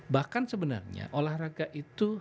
bahkan sebenarnya olahraga itu